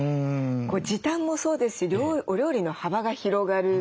時短もそうですしお料理の幅が広がる。